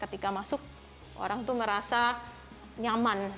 ketika masuk orang itu merasa nyaman